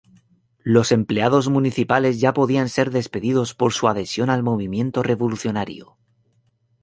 Los empleados municipales ya podían ser despedidos por su adhesión al movimiento revolucionario.